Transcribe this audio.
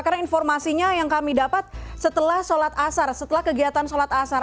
karena informasinya yang kami dapat setelah sholat asar setelah kegiatan sholat asar